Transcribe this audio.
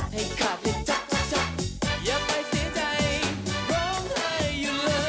มึงควรจับใจเว่ย